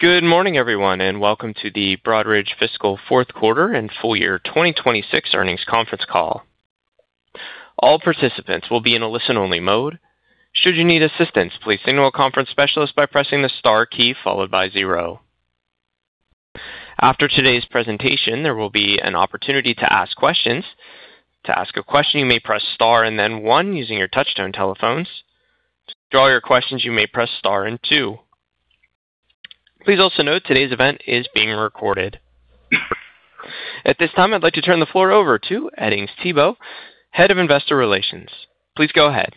Good morning, everyone, welcome to the Broadridge Fiscal Fourth Quarter and Full Year 2026 Earnings Conference Call. All participants will be in a listen-only mode. Should you need assistance, please signal a conference specialist by pressing the star key followed by zero. After today's presentation, there will be an opportunity to ask questions. To ask a question, you may press star and then one using your touchtone telephones. To withdraw your questions, you may press star and two. Please also note today's event is being recorded. At this time, I'd like to turn the floor over to Edings Thibault, Head of Investor Relations. Please go ahead.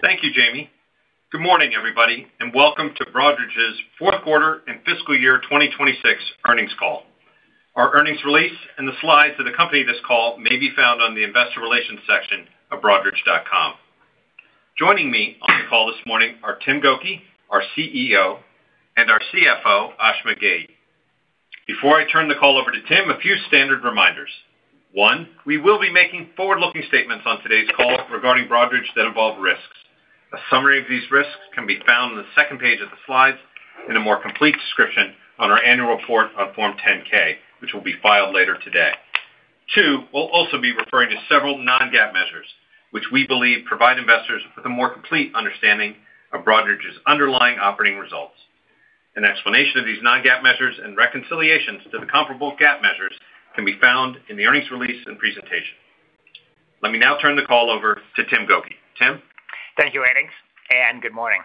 Thank you, Jamie. Good morning, everybody, welcome to Broadridge's fourth quarter and fiscal year 2026 earnings call. Our earnings release, the slides that accompany this call may be found on the investor relations section of broadridge.com. Joining me on the call this morning are Tim Gokey, our CEO, our CFO, Ash Ghei. Before I turn the call over to Tim, a few standard reminders. One, we will be making forward-looking statements on today's call regarding Broadridge that involve risks. A summary of these risks can be found on the second page of the slides in a more complete description on our annual report on Form 10-K, which will be filed later today. Two, we will also be referring to several non-GAAP measures, which we believe provide investors with a more complete understanding of Broadridge's underlying operating results. An explanation of these non-GAAP measures, reconciliations to the comparable GAAP measures can be found in the earnings release, presentation. Let me now turn the call over to Tim Gokey. Tim? Thank you, Edings, good morning.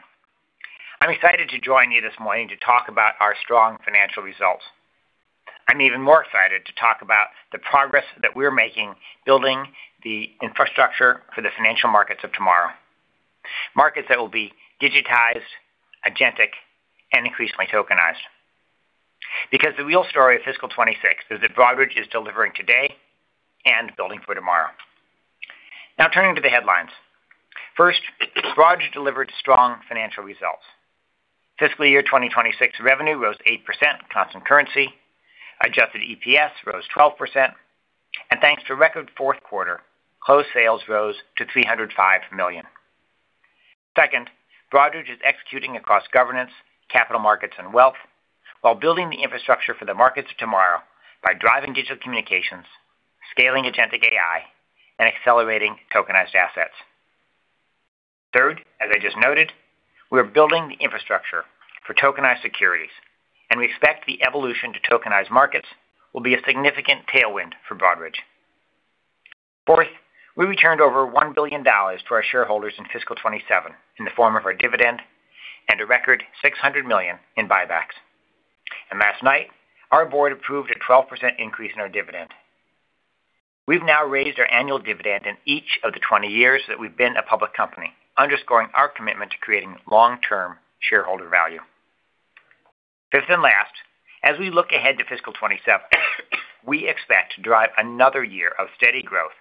I am excited to join you this morning to talk about our strong financial results. I am even more excited to talk about the progress that we are making, building the infrastructure for the financial markets of tomorrow. Markets that will be digitized, agentic, increasingly tokenized. The real story of fiscal 2026 is that Broadridge is delivering today, building for tomorrow. Now turning to the headlines. First, Broadridge delivered strong financial results. Fiscal year 2026 revenue rose 8% constant currency, adjusted EPS rose 12%, thanks to record fourth quarter, closed sales rose to $305 million. Second, Broadridge is executing across governance, capital markets, wealth, while building the infrastructure for the markets of tomorrow by driving digital communications, scaling agentic AI, accelerating tokenized assets. Third, as I just noted, we're building the infrastructure for tokenized securities, and we expect the evolution to tokenized markets will be a significant tailwind for Broadridge. Fourth, we returned over $1 billion to our shareholders in fiscal 2027 in the form of our dividend and a record $600 million in buybacks. Last night, our board approved a 12% increase in our dividend. We've now raised our annual dividend in each of the 20 years that we've been a public company, underscoring our commitment to creating long-term shareholder value. Fifth and last, as we look ahead to fiscal 2027, we expect to drive another year of steady growth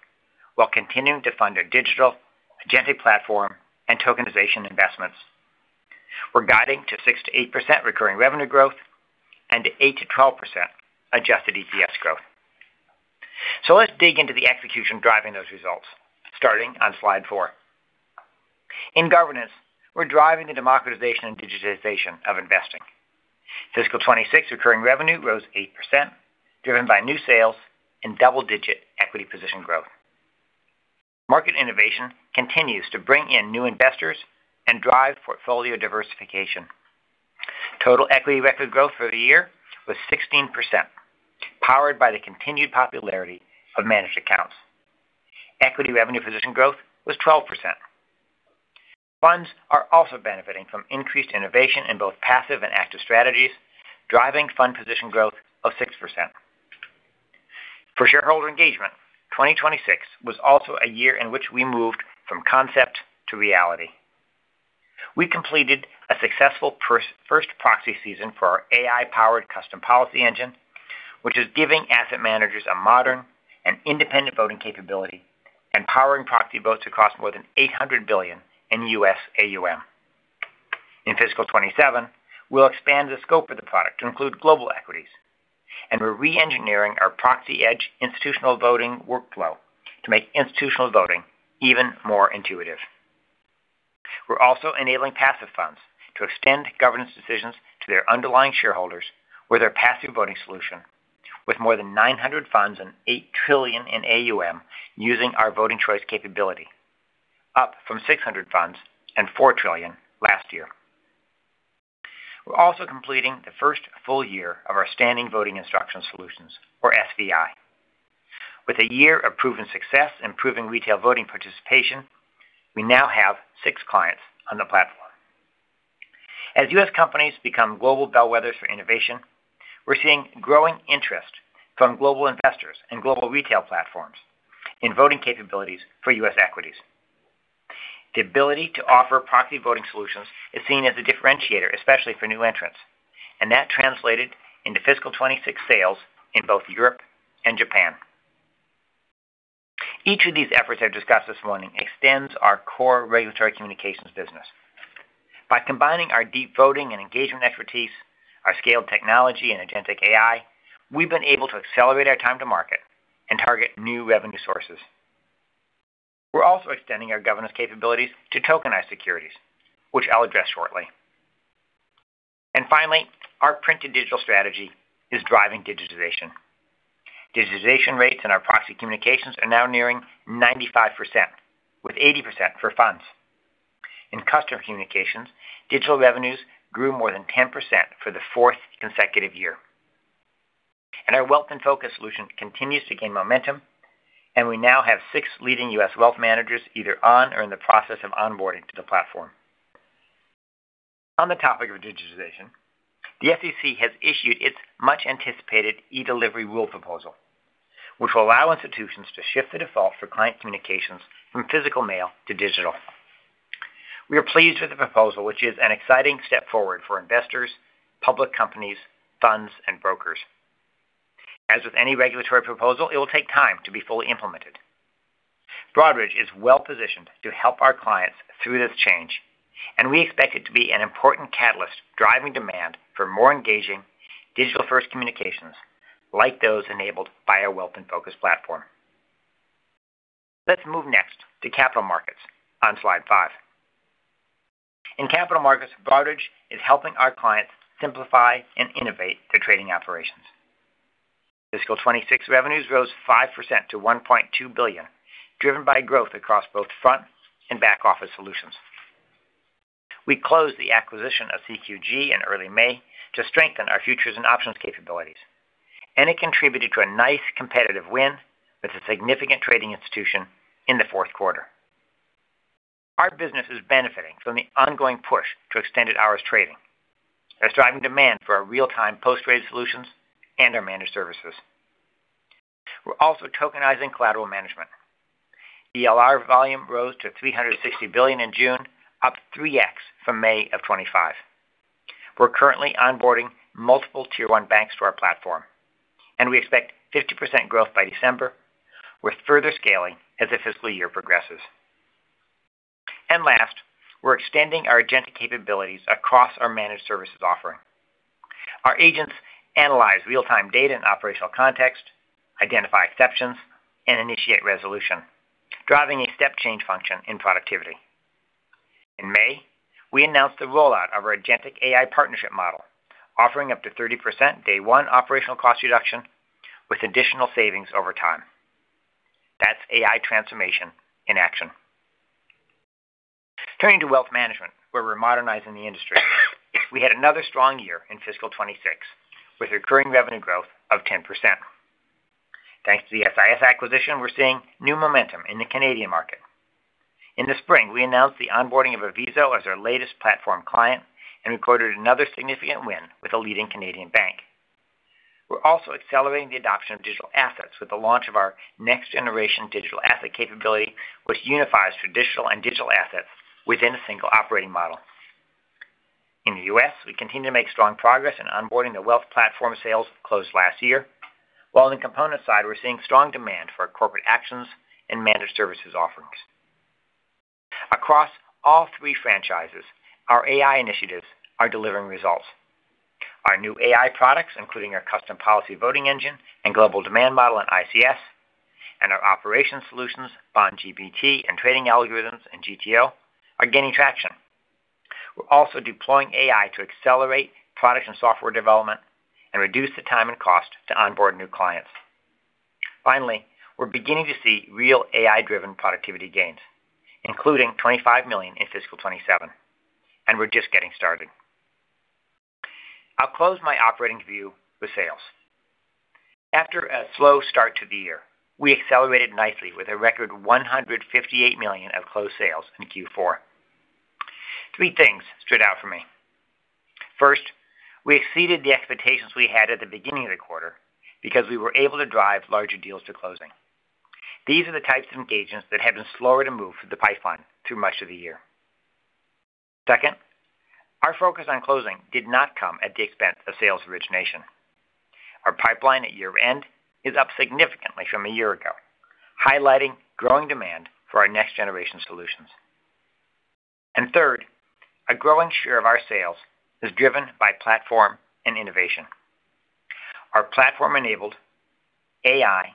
while continuing to fund our digital agentic platform and tokenization investments. We're guiding to 6%-8% recurring revenue growth and 8%-12% adjusted EPS growth. Let's dig into the execution driving those results, starting on slide four. In governance, we're driving the democratization and digitization of investing. Fiscal 2026 recurring revenue rose 8%, driven by new sales and double-digit equity position growth. Market innovation continues to bring in new investors and drive portfolio diversification. Total equity record growth for the year was 16%, powered by the continued popularity of managed accounts. Equity revenue position growth was 12%. Funds are also benefiting from increased innovation in both passive and active strategies, driving fund position growth of 6%. For shareholder engagement, 2026 was also a year in which we moved from concept to reality. We completed a successful first proxy season for our AI-powered custom policy engine, which is giving asset managers a modern and independent voting capability and powering proxy votes across more than $800 billion in U.S. AUM. In fiscal 2027, we'll expand the scope of the product to include global equities. We're re-engineering our ProxyEdge institutional voting workflow to make institutional voting even more intuitive. We're also enabling passive funds to extend governance decisions to their underlying shareholders with our passive voting solution with more than 900 funds and $8 trillion in AUM using our Voting Choice capability, up from 600 funds and $4 trillion last year. We're also completing the first full year of our standing voting instruction solutions, or SVI. With a year of proven success improving retail voting participation, we now have six clients on the platform. As U.S. companies become global bellwethers for innovation, we're seeing growing interest from global investors and global retail platforms in voting capabilities for U.S. equities. The ability to offer proxy voting solutions is seen as a differentiator, especially for new entrants, and that translated into fiscal 2026 sales in both Europe and Japan. Each of these efforts I've discussed this morning extends our core regulatory communications business. By combining our deep voting and engagement expertise, our scaled technology and agentic AI, we've been able to accelerate our time to market and target new revenue sources. Also extending our governance capabilities to tokenized securities, which I'll address shortly. Finally, our print-to-digital strategy is driving digitization. Digitization rates in our proxy communications are now nearing 95%, with 80% for funds. In Customer Communications, digital revenues grew more than 10% for the fourth consecutive year. Our Wealth InFocus solution continues to gain momentum, and we now have six leading U.S. wealth managers either on or in the process of onboarding to the platform. On the topic of digitization, the SEC has issued its much-anticipated E-Delivery rule proposal, which will allow institutions to shift the default for client communications from physical mail to digital. We are pleased with the proposal, which is an exciting step forward for investors, public companies, funds, and brokers. As with any regulatory proposal, it will take time to be fully implemented. Broadridge is well-positioned to help our clients through this change, and we expect it to be an important catalyst driving demand for more engaging digital-first communications, like those enabled by our Wealth InFocus platform. Let's move next to Capital Markets on slide five. In Capital Markets, Broadridge is helping our clients simplify and innovate their trading operations. Fiscal 2026 revenues rose 5% to $1.2 billion, driven by growth across both front and back office solutions. We closed the acquisition of CQG in early May to strengthen our futures and options capabilities, and it contributed to a nice competitive win with a significant trading institution in the fourth quarter. Our business is benefiting from the ongoing push to extended-hours trading that's driving demand for our real-time post-trade solutions and our managed services. We're also tokenizing collateral management. DLR volume rose to $360 billion in June, up 3x from May of 2025. We're currently onboarding multiple Tier 1 banks to our platform, and we expect 50% growth by December, with further scaling as the fiscal year progresses. Last, we're extending our agentic capabilities across our managed services offering. Our agents analyze real-time data and operational context, identify exceptions, and initiate resolution, driving a step-change function in productivity. In May, we announced the rollout of our agentic AI partnership model, offering up to 30% day one operational cost reduction, with additional savings over time. That's AI transformation in action. Turning to wealth management, where we're modernizing the industry, we had another strong year in fiscal 2026, with recurring revenue growth of 10%. Thanks to the SIS acquisition, we're seeing new momentum in the Canadian market. In the spring, we announced the onboarding of Aviso as our latest platform client, and we recorded another significant win with a leading Canadian bank. We're also accelerating the adoption of digital assets with the launch of our next-generation digital asset capability, which unifies traditional and digital assets within a single operating model. In the U.S., we continue to make strong progress in onboarding the wealth platform sales closed last year, while on the component side, we're seeing strong demand for our corporate actions and managed services offerings. Across all three franchises, our AI initiatives are delivering results. Our new AI products, including our custom policy voting engine and Global Demand Model in ICS, and our operations solutions, BondGPT, and trading algorithms in GTO, are gaining traction. We're also deploying AI to accelerate product and software development and reduce the time and cost to onboard new clients. Finally, we're beginning to see real AI-driven productivity gains, including $25 million in fiscal 2027, and we're just getting started. I'll close my operating view with sales. After a slow start to the year, we accelerated nicely with a record $158 million of closed sales in Q4. Three things stood out for me. First, we exceeded the expectations we had at the beginning of the quarter because we were able to drive larger deals to closing. These are the types of engagements that have been slower to move through the pipeline through much of the year. Second, our focus on closing did not come at the expense of sales origination. Our pipeline at year-end is up significantly from a year ago, highlighting growing demand for our next-generation solutions. Third, a growing share of our sales is driven by platform and innovation. Our platform-enabled AI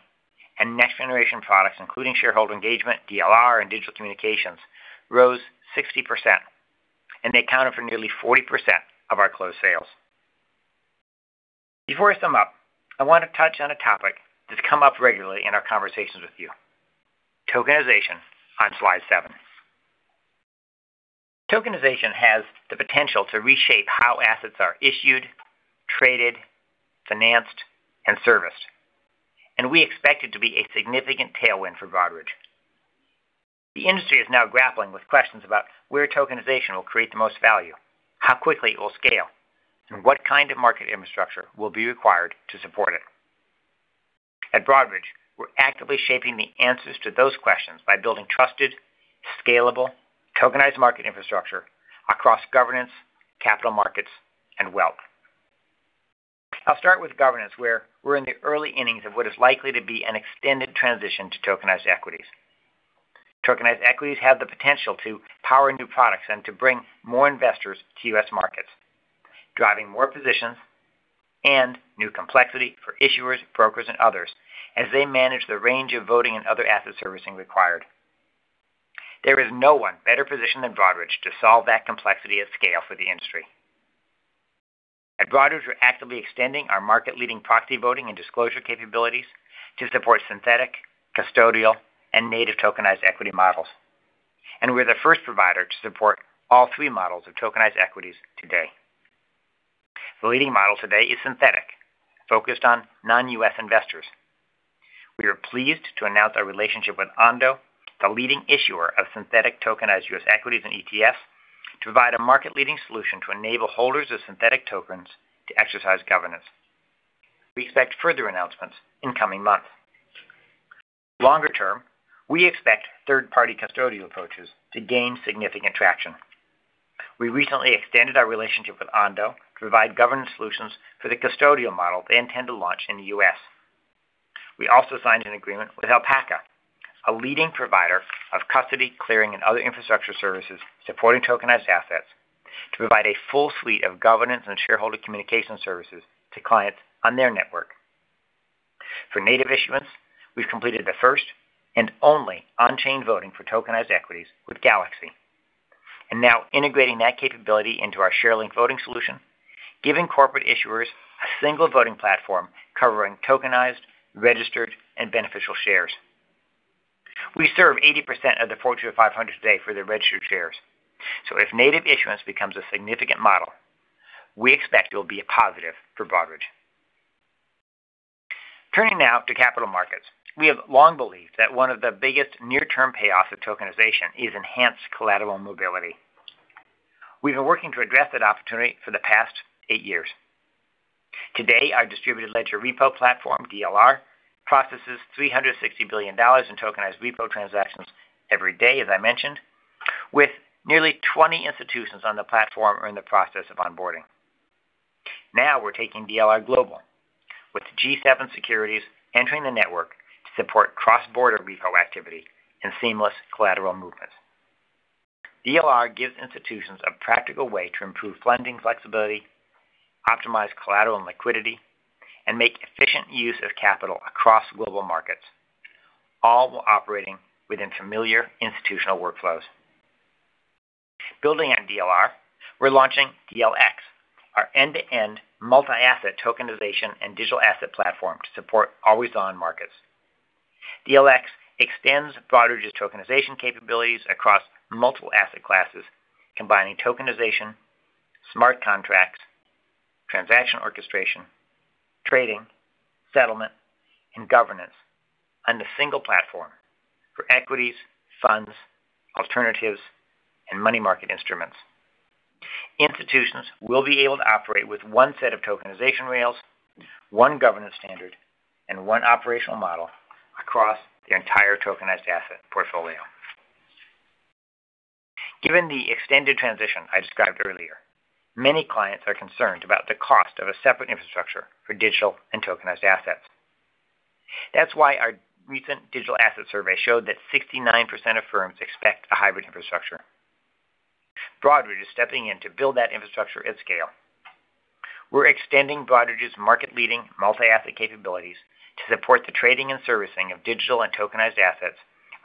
and next-generation products, including shareholder engagement, DLR, and digital communications, rose 60%, and they accounted for nearly 40% of our closed sales. Before I sum up, I want to touch on a topic that's come up regularly in our conversations with you. Tokenization on slide seven. Tokenization has the potential to reshape how assets are issued, traded, financed, and serviced, and we expect it to be a significant tailwind for Broadridge. The industry is now grappling with questions about where tokenization will create the most value, how quickly it will scale, and what kind of market infrastructure will be required to support it. At Broadridge, we're actively shaping the answers to those questions by building trusted, scalable, tokenized market infrastructure across governance, capital markets, and wealth. I'll start with governance, where we're in the early innings of what is likely to be an extended transition to tokenized equities. Tokenized equities have the potential to power new products and to bring more investors to U.S. markets, driving more positions. New complexity for issuers, brokers, and others as they manage the range of voting and other asset servicing required. There is no one better positioned than Broadridge to solve that complexity at scale for the industry. At Broadridge, we're actively extending our market-leading proxy voting and disclosure capabilities to support synthetic, custodial, and native tokenized equity models. We're the first provider to support all three models of tokenized equities today. The leading model today is synthetic, focused on non-U.S. investors. We are pleased to announce our relationship with Ondo, the leading issuer of synthetic tokenized U.S. equities and ETFs, to provide a market-leading solution to enable holders of synthetic tokens to exercise governance. We expect further announcements in coming months. Longer term, we expect third-party custodial approaches to gain significant traction. We recently extended our relationship with Ondo to provide governance solutions for the custodial model they intend to launch in the U.S. We also signed an agreement with Alpaca, a leading provider of custody, clearing, and other infrastructure services supporting tokenized assets, to provide a full suite of governance and shareholder communication services to clients on their network. For native issuance, we've completed the first and only on-chain voting for tokenized equities with Galaxy. Now integrating that capability into our ShareLink voting solution, giving corporate issuers a single voting platform covering tokenized, registered, and beneficial shares. We serve 80% of the Fortune 500 today for their registered shares, so if native issuance becomes a significant model, we expect it will be a positive for Broadridge. Turning now to capital markets, we have long believed that one of the biggest near-term payoffs of tokenization is enhanced collateral mobility. We've been working to address that opportunity for the past eight years. Today, our Distributed Ledger Repo platform, DLR, processes $360 billion in tokenized repo transactions every day, as I mentioned, with nearly 20 institutions on the platform are in the process of onboarding. We're taking DLR global, with G7 Securities entering the network to support cross-border repo activity and seamless collateral movements. DLR gives institutions a practical way to improve funding flexibility, optimize collateral and liquidity, and make efficient use of capital across global markets, all while operating within familiar institutional workflows. Building on DLR, we're launching DLX, our end-to-end multi-asset tokenization and digital asset platform to support always-on markets. DLX extends Broadridge's tokenization capabilities across multiple asset classes, combining tokenization, smart contracts, transaction orchestration, trading, settlement, and governance on a single platform for equities, funds, alternatives, and money market instruments. Institutions will be able to operate with one set of tokenization rails, one governance standard, and one operational model across their entire tokenized asset portfolio. Given the extended transition I described earlier, many clients are concerned about the cost of a separate infrastructure for digital and tokenized assets. That's why our recent digital asset survey showed that 69% of firms expect a hybrid infrastructure. Broadridge is stepping in to build that infrastructure at scale. We're extending Broadridge's market-leading multi-asset capabilities to support the trading and servicing of digital and tokenized assets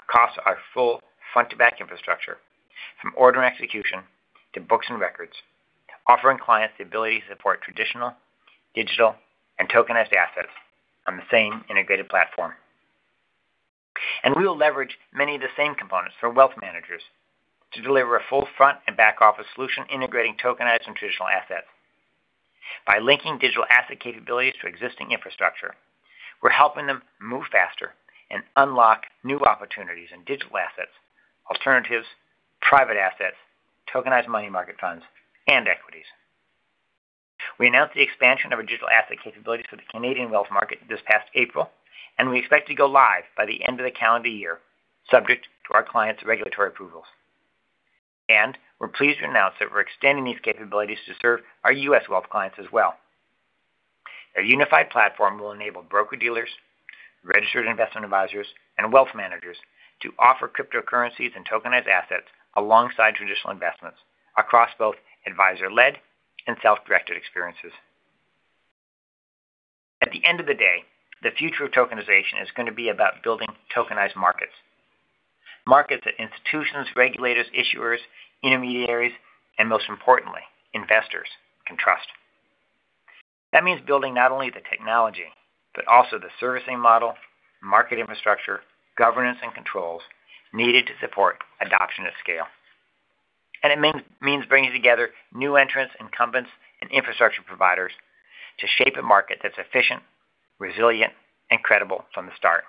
across our full front-to-back infrastructure, from order execution to books and records, offering clients the ability to support traditional, digital, and tokenized assets on the same integrated platform. We will leverage many of the same components for wealth managers to deliver a full front and back-office solution integrating tokenized and traditional assets. By linking digital asset capabilities to existing infrastructure, we're helping them move faster and unlock new opportunities in digital assets, alternatives, private assets, tokenized money market funds, and equities. We announced the expansion of our digital asset capabilities for the Canadian wealth market this past April, and we expect to go live by the end of the calendar year, subject to our clients' regulatory approvals. We're pleased to announce that we're extending these capabilities to serve our U.S. wealth clients as well. Our unified platform will enable broker-dealers, registered investment advisors, and wealth managers to offer cryptocurrencies and tokenized assets alongside traditional investments across both advisor-led and self-directed experiences. At the end of the day, the future of tokenization is gonna be about building tokenized markets that institutions, regulators, issuers, intermediaries, and most importantly, investors can trust. That means building not only the technology but also the servicing model, market infrastructure, governance, and controls needed to support adoption at scale. It means bringing together new entrants, incumbents, and infrastructure providers to shape a market that's efficient, resilient, and credible from the start.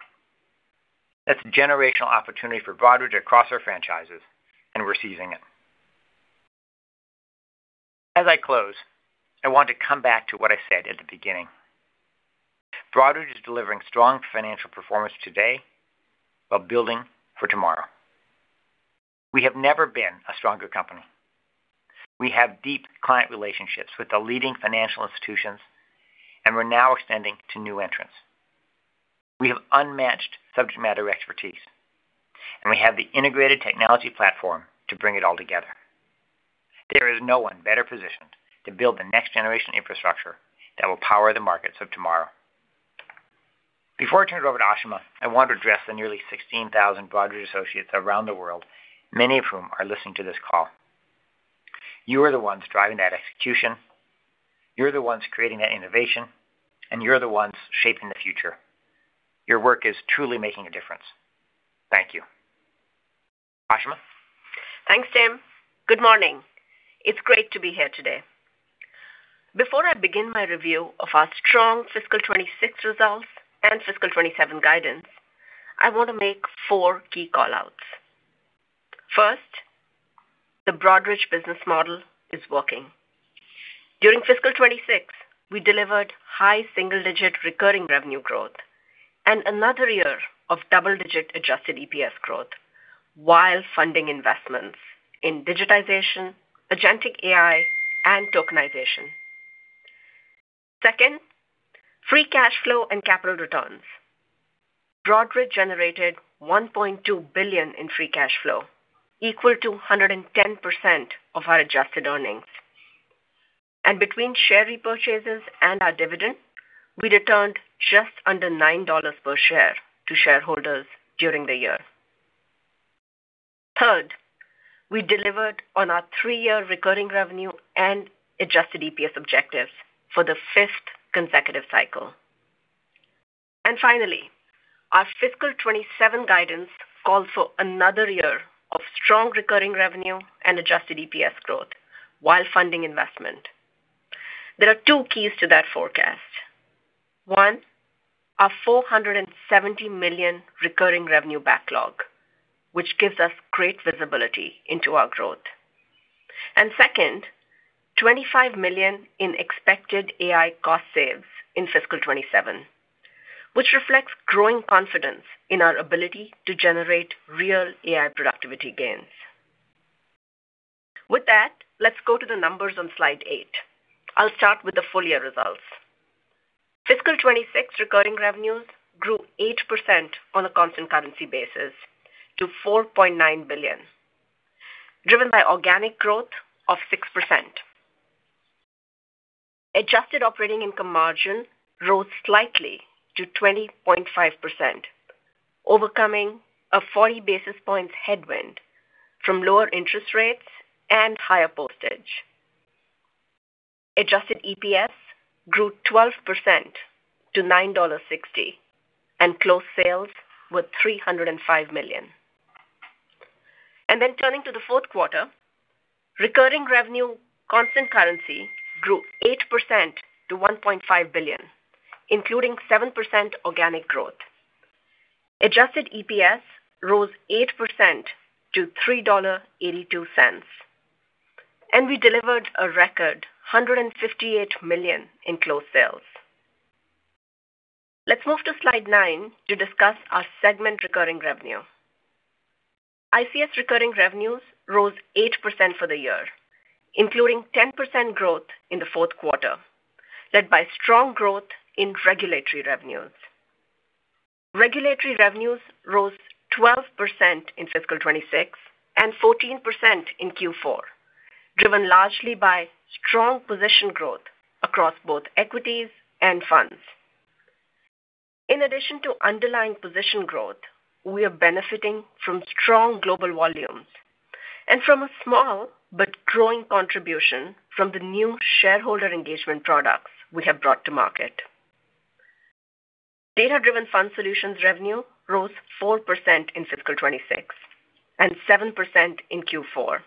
That's a generational opportunity for Broadridge across our franchises, and we're seizing it. As I close, I want to come back to what I said at the beginning. Broadridge is delivering strong financial performance today while building for tomorrow. We have never been a stronger company. We have deep client relationships with the leading financial institutions, and we're now extending to new entrants. We have unmatched subject matter expertise, and we have the integrated technology platform to bring it all together. There is no one better positioned to build the next generation infrastructure that will power the markets of tomorrow. Before I turn it over to Ashima, I want to address the nearly 16,000 Broadridge associates around the world, many of whom are listening to this call. You are the ones driving that execution, you're the ones creating that innovation, and you're the ones shaping the future. Your work is truly making a difference. Thank you. Ashima? Thanks, Tim. Good morning. It's great to be here today. Before I begin my review of our strong fiscal 2026 results and fiscal 2027 guidance, I want to make four key call-outs. First, the Broadridge business model is working. During fiscal 2026, we delivered high single-digit recurring revenue growth and another year of double-digit adjusted EPS growth while funding investments in digitization, agentic AI, and tokenization. Second, free cash flow and capital returns. Broadridge generated $1.2 billion in free cash flow, equal to 110% of our adjusted earnings. Between share repurchases and our dividend, we returned just under $9 per share to shareholders during the year. Third, we delivered on our three-year recurring revenue and adjusted EPS objectives for the fifth consecutive cycle. Finally, our fiscal 2027 guidance calls for another year of strong recurring revenue and adjusted EPS growth while funding investment. There are two keys to that forecast. One, our $470 million recurring revenue backlog, which gives us great visibility into our growth. Second, $25 million in expected AI cost saves in fiscal 2027, which reflects growing confidence in our ability to generate real AI productivity gains. With that, let's go to the numbers on slide eight. I'll start with the full year results. Fiscal 2026 recurring revenues grew 8% on a constant currency basis to $4.9 billion, driven by organic growth of 6%. Adjusted operating income margin rose slightly to 20.5%, overcoming a 40 basis points headwind from lower interest rates and higher postage. Adjusted EPS grew 12% to $9.60, and close sales were $305 million. Turning to the fourth quarter, recurring revenue constant currency grew 8% to $1.5 billion, including 7% organic growth. Adjusted EPS rose 8% to $3.82. We delivered a record $158 million in close sales. Let's move to slide nine to discuss our segment recurring revenue. ICS recurring revenues rose 8% for the year, including 10% growth in the fourth quarter, led by strong growth in regulatory revenues. Regulatory revenues rose 12% in fiscal 2026 and 14% in Q4, driven largely by strong position growth across both equities and funds. In addition to underlying position growth, we are benefiting from strong global volumes and from a small but growing contribution from the new shareholder engagement products we have brought to market. Data-Driven Fund Solutions revenue rose 4% in fiscal 2026 and 7% in Q4.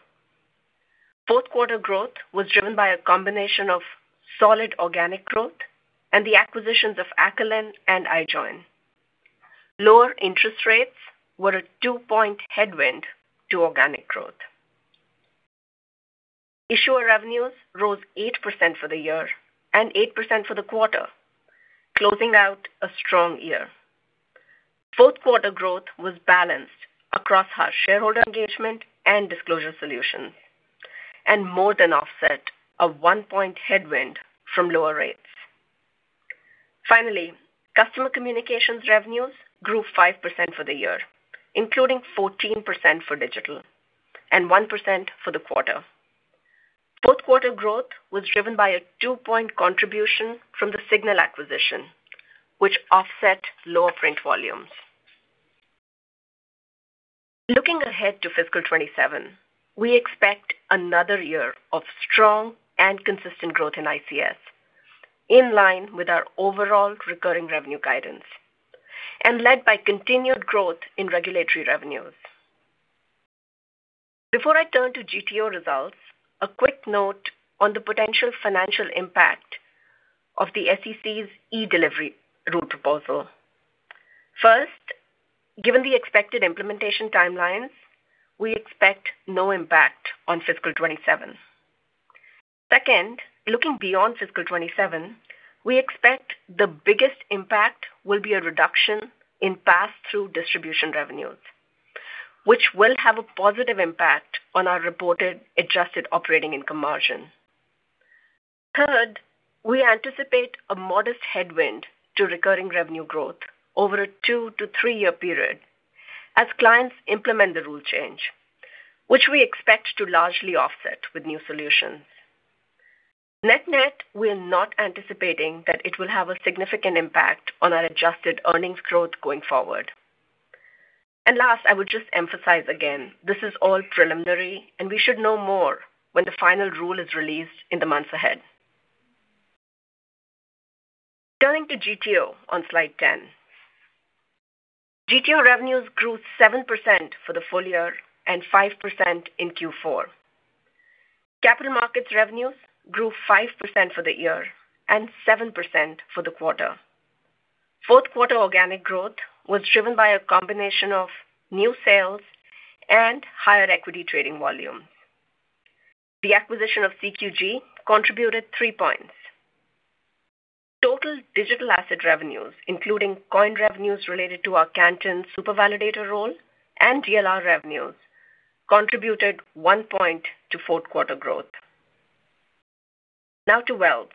Fourth quarter growth was driven by a combination of solid organic growth and the acquisitions of Accolyn and iJoin. Lower interest rates were a two-point headwind to organic growth. Issuer revenues rose 8% for the year and 8% for the quarter, closing out a strong year. Fourth quarter growth was balanced across our shareholder engagement and disclosure solutions, and more than offset a one-point headwind from lower rates. Finally, Customer Communications revenues grew 5% for the year, including 14% for digital and 1% for the quarter. Fourth quarter growth was driven by a two-point contribution from the Signal acquisition, which offset lower print volumes. Looking ahead to fiscal 2027, we expect another year of strong and consistent growth in ICS, in line with our overall recurring revenue guidance and led by continued growth in regulatory revenues. Before I turn to GTO results, a quick note on the potential financial impact of the SEC's eDelivery rule proposal. First, given the expected implementation timelines, we expect no impact on fiscal 2027. Second, looking beyond fiscal 2027, we expect the biggest impact will be a reduction in pass-through distribution revenues, which will have a positive impact on our reported adjusted operating income margin. Third, we anticipate a modest headwind to recurring revenue growth over a two- to three-year period as clients implement the rule change, which we expect to largely offset with new solutions. We're not anticipating that it will have a significant impact on our adjusted earnings growth going forward. Last, I would just emphasize again, this is all preliminary, and we should know more when the final rule is released in the months ahead. Turning to GTO on slide ten. GTO revenues grew 7% for the full year and 5% in Q4. Capital markets revenues grew 5% for the year and 7% for the quarter. Fourth quarter organic growth was driven by a combination of new sales and higher equity trading volume. The acquisition of CQG contributed three points. Total digital asset revenues, including coin revenues related to our Canton super validator role and DLR revenues, contributed one point to fourth quarter growth. To wealth.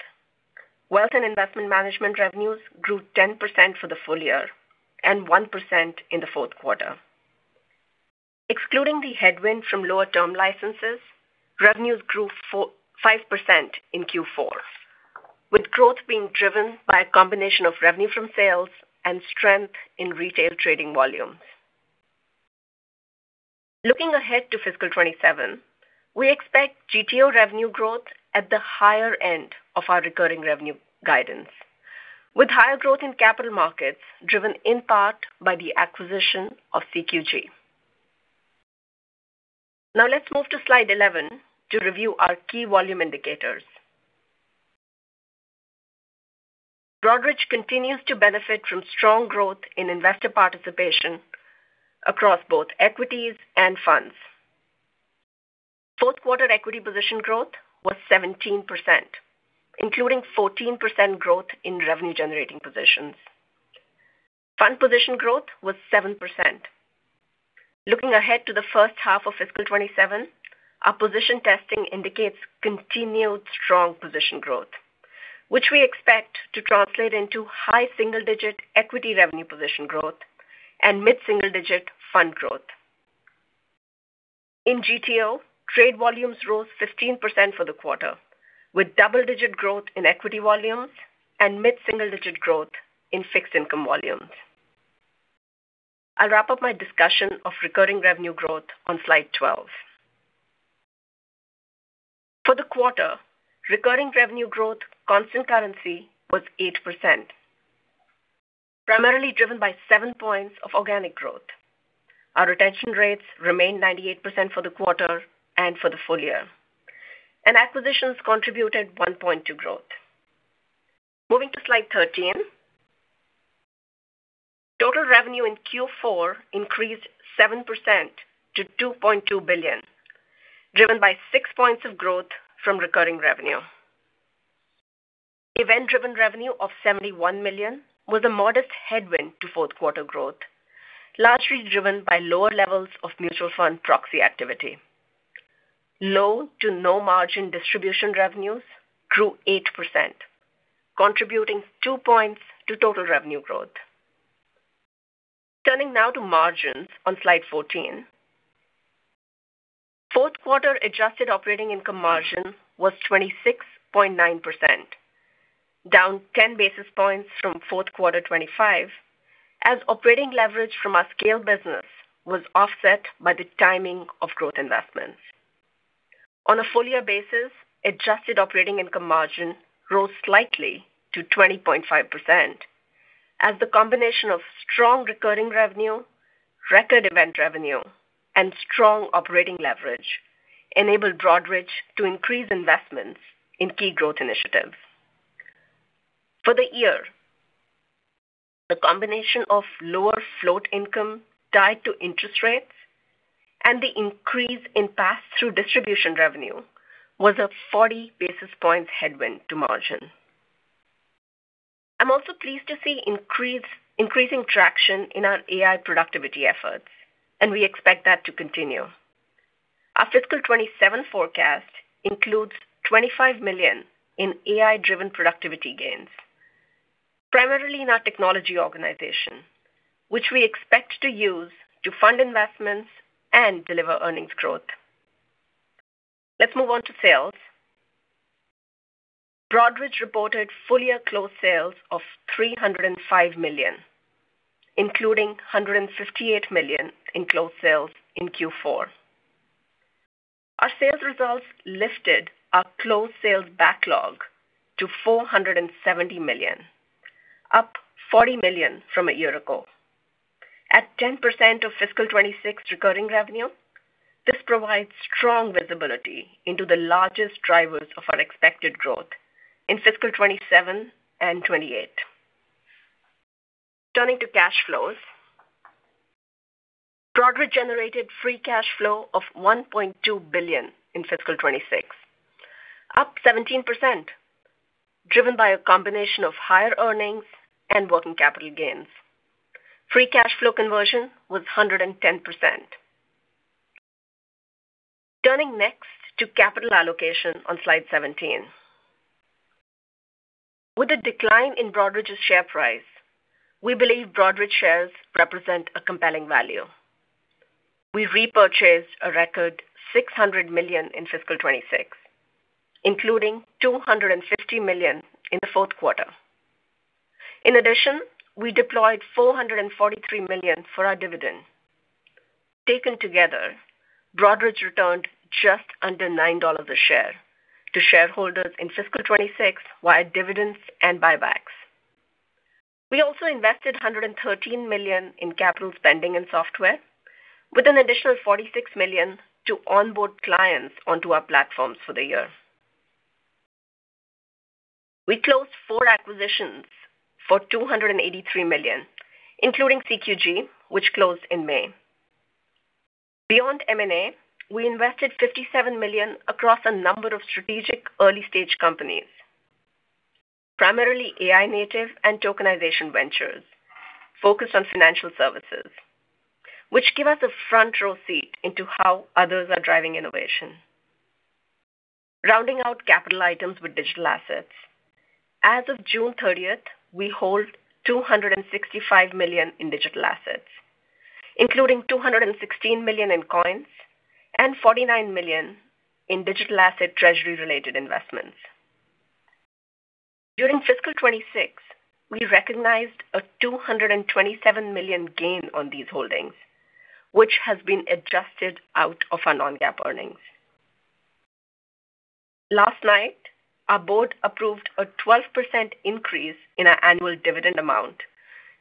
Wealth and investment management revenues grew 10% for the full year and 1% in the fourth quarter. Excluding the headwind from lower term licenses, revenues grew 5% in Q4, with growth being driven by a combination of revenue from sales and strength in retail trading volumes. Looking ahead to fiscal 2027, we expect GTO revenue growth at the higher end of our recurring revenue guidance, with higher growth in capital markets driven in part by the acquisition of CQG. Let's move to slide 11 to review our key volume indicators. Broadridge continues to benefit from strong growth in investor participation across both equities and funds. Fourth quarter equity position growth was 17%, including 14% growth in revenue-generating positions. Fund position growth was 7%. Looking ahead to the first half of fiscal 2027, our position testing indicates continued strong position growth, which we expect to translate into high single-digit equity revenue position growth and mid-single-digit fund growth. In GTO, trade volumes rose 15% for the quarter, with double-digit growth in equity volumes and mid-single-digit growth in fixed income volumes. I'll wrap up my discussion of recurring revenue growth on slide twelve. For the quarter, recurring revenue growth constant currency was 8%, primarily driven by seven points of organic growth. Our retention rates remained 98% for the quarter and for the full year. Acquisitions contributed one point to growth. Moving to slide 13. Total revenue in Q4 increased 7% to $2.2 billion, driven by six points of growth from recurring revenue. Event-driven revenue of $71 million was a modest headwind to fourth quarter growth, largely driven by lower levels of mutual fund proxy activity. Low to no margin distribution revenues grew 8%, contributing two points to total revenue growth. Turning now to margins on slide 14. Fourth quarter adjusted operating income margin was 26.9%, down 10 basis points from fourth quarter 2025, as operating leverage from our scale business was offset by the timing of growth investments. On a full year basis, adjusted operating income margin rose slightly to 20.5% as the combination of strong recurring revenue, record event revenue, and strong operating leverage enabled Broadridge to increase investments in key growth initiatives. For the year, the combination of lower float income tied to interest rates and the increase in pass-through distribution revenue was a 40 basis points headwind to margin. I am also pleased to see increasing traction in our AI productivity efforts, and we expect that to continue. Our fiscal 2027 forecast includes $25 million in AI-driven productivity gains, primarily in our technology organization, which we expect to use to fund investments and deliver earnings growth. Let us move on to sales. Broadridge reported full-year closed sales of $305 million, including $158 million in closed sales in Q4. Our sales results lifted our closed sales backlog to $470 million, up $40 million from a year ago. At 10% of fiscal 2026 recurring revenue, this provides strong visibility into the largest drivers of our expected growth in fiscal 2027 and 2028. Turning to cash flows. Broadridge generated free cash flow of $1.2 billion in fiscal 2026, up 17%, driven by a combination of higher earnings and working capital gains. Free cash flow conversion was 110%. Turning next to capital allocation on slide 17. With the decline in Broadridge’s share price, we believe Broadridge shares represent a compelling value. We repurchased a record $600 million in fiscal 2026, including $250 million in the fourth quarter. In addition, we deployed $443 million for our dividend. Taken together, Broadridge returned just under $9 a share to shareholders in fiscal 2026 via dividends and buybacks. We also invested $113 million in capital spending and software, with an additional $46 million to onboard clients onto our platforms for the year. We closed four acquisitions for $283 million, including CQG, which closed in May. Beyond M&A, we invested $57 million across a number of strategic early-stage companies, primarily AI native and tokenization ventures focused on financial services, which give us a front-row seat into how others are driving innovation. Rounding out capital items with digital assets. As of June 30th, we hold $265 million in digital assets, including $216 million in coins and $49 million in digital asset Treasury-related investments. During fiscal 2026, we recognized a $227 million gain on these holdings, which has been adjusted out of our non-GAAP earnings. Last night, our board approved a 12% increase in our annual dividend amount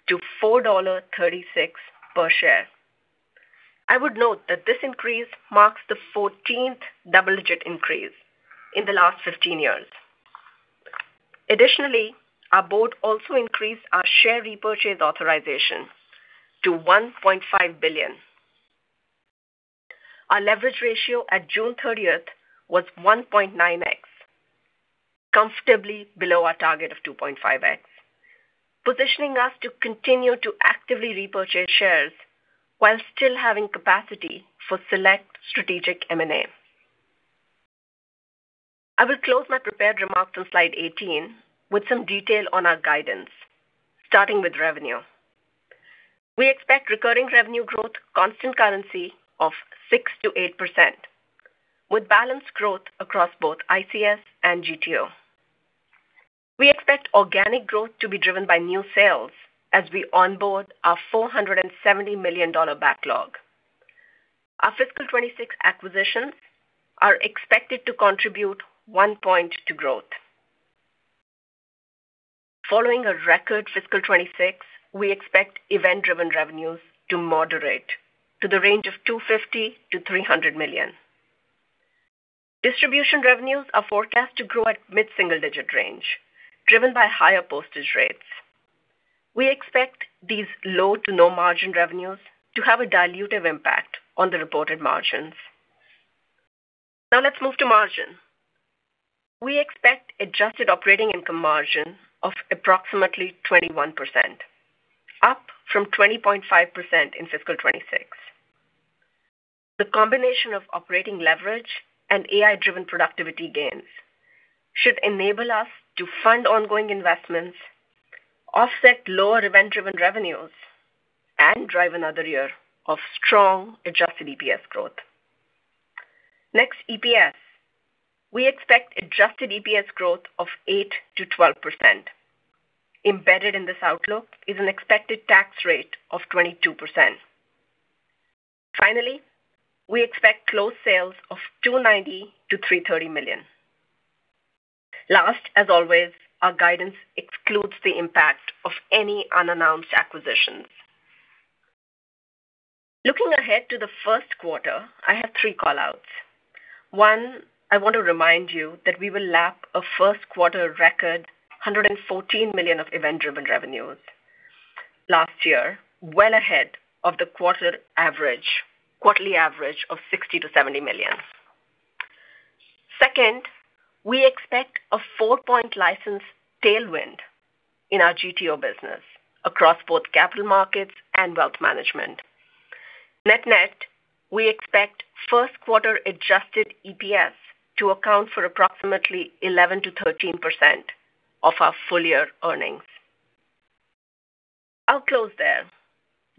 to $4.36 per share. I would note that this increase marks the 14th double-digit increase in the last 15 years. Additionally, our board also increased our share repurchase authorization to $1.5 billion. Our leverage ratio at June 30th was 1.9x, comfortably below our target of 2.5x, positioning us to continue to actively repurchase shares while still having capacity for select strategic M&A. I will close my prepared remarks on slide 18 with some detail on our guidance, starting with revenue. We expect recurring revenue growth constant currency of 6%-8%, with balanced growth across both ICS and GTO. We expect organic growth to be driven by new sales as we onboard our $470 million backlog. Our fiscal '26 acquisitions are expected to contribute one point to growth. Following a record fiscal 2026, we expect event-driven revenues to moderate to the range of $250 million-$300 million. Distribution revenues are forecast to grow at mid-single-digit range, driven by higher postage rates. We expect these low to no margin revenues to have a dilutive impact on the reported margins. Now let's move to margin. We expect adjusted operating income margin of approximately 21%, up from 20.5% in fiscal 2026. The combination of operating leverage and AI-driven productivity gains should enable us to fund ongoing investments, offset lower event-driven revenues, and drive another year of strong adjusted EPS growth. Next, EPS. We expect adjusted EPS growth of 8%-12%. Embedded in this outlook is an expected tax rate of 22%. Finally, we expect close sales of $290 million-$330 million. Last, as always, our guidance excludes the impact of any unannounced acquisitions. Looking ahead to the first quarter, I have three call-outs. One, I want to remind you that we will lap a first quarter record, $114 million of event-driven revenues last year, well ahead of the quarterly average of $60 million-$70 million. Second, we expect a four-point license tailwind in our GTO business across both capital markets and wealth management. Net net, we expect first quarter-adjusted EPS to account for approximately 11%-13% of our full-year earnings. I'll close there.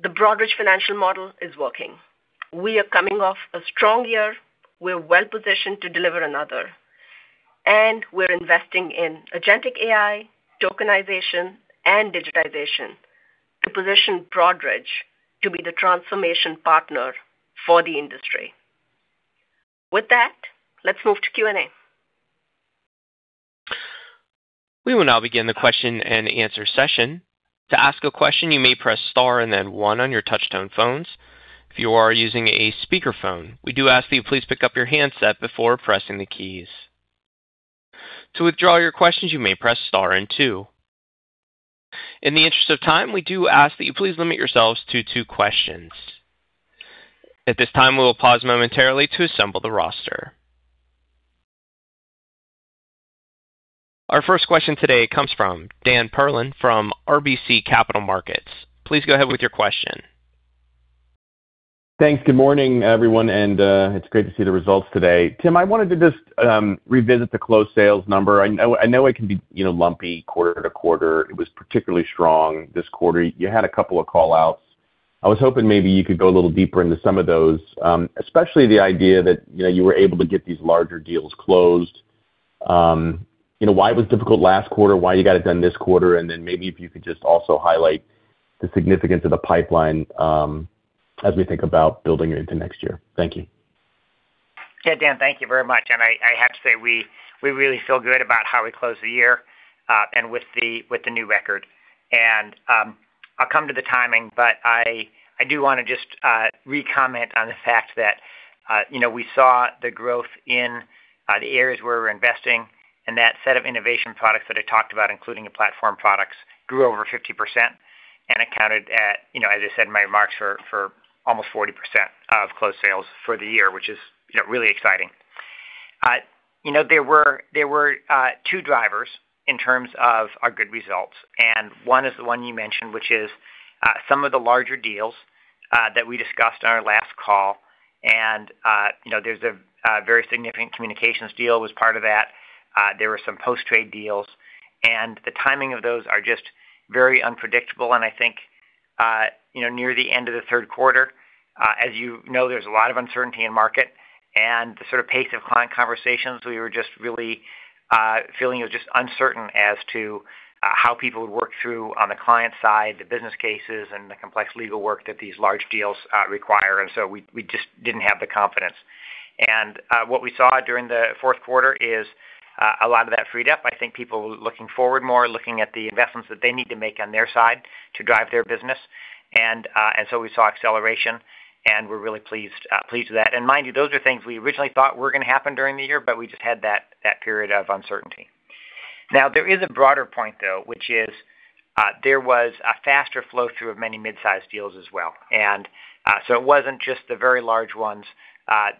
The Broadridge financial model is working. We are coming off a strong year. We're well-positioned to deliver another, and we're investing in agentic AI, tokenization, and digitization to position Broadridge to be the transformation partner for the industry. With that, let's move to Q&A. We will now begin the question-and-answer session. To ask a question, you may press star and then one on your touch-tone phones. If you are using a speakerphone, we do ask that you please pick up your handset before pressing the keys. To withdraw your questions, you may press star and two. In the interest of time, we do ask that you please limit yourselves to two questions. At this time, we will pause momentarily to assemble the roster. Our first question today comes from Dan Perlin from RBC Capital Markets. Please go ahead with your question. Thanks. Good morning, everyone. It's great to see the results today. Tim, I wanted to just revisit the closed sales number. I know it can be lumpy quarter to quarter. It was particularly strong this quarter. You had a couple of call-outs. I was hoping maybe you could go a little deeper into some of those, especially the idea that you were able to get these larger deals closed. Why it was difficult last quarter, why you got it done this quarter. Maybe if you could just also highlight the significance of the pipeline as we think about building it into next year. Thank you. Okay, Dan, thank you very much. I have to say, we really feel good about how we closed the year and with the new record. I'll come to the timing, but I do want to just re-comment on the fact that we saw the growth in the areas where we're investing and that set of innovation products that I talked about, including the platform products, grew over 50% and accounted at, as I said in my remarks, for almost 40% of closed sales for the year, which is really exciting. There were two drivers in terms of our good results. One is the one you mentioned, which is some of the larger deals that we discussed on our last call. There's a very significant communications deal was part of that. There were some post-trade deals. The timing of those are just very unpredictable. I think near the end of the third quarter, as you know, there's a lot of uncertainty in market and the sort of pace of client conversations. We were just really feeling it was just uncertain as to how people would work through on the client side, the business cases and the complex legal work that these large deals require. We just didn't have the confidence. What we saw during the fourth quarter is a lot of that freed up. I think people looking forward more, looking at the investments that they need to make on their side to drive their business. We saw acceleration, and we're really pleased with that. Mind you, those are things we originally thought were going to happen during the year, but we just had that period of uncertainty. There is a broader point, though, which is there was a faster flow through of many mid-sized deals as well. It wasn't just the very large ones.